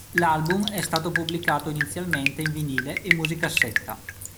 L'album è stato pubblicato inizialmente in vinile e musicassetta.